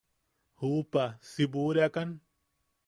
¿Juupa si buʼureakan?